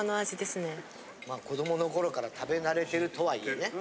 子どもの頃から食べ慣れてるとはいえね。